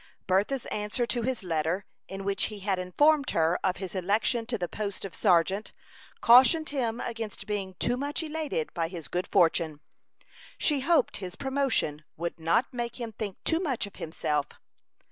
Bertha's answer to his letter, in which he had informed her of his election to the post of sergeant, cautioned him against being too much elated by his good fortune. She hoped his promotion would not make him think too much of himself.